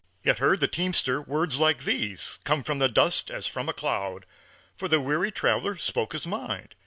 Yet heard the teamster words like these Come from the dust as from a cloud, For the weary traveler spoke his mind.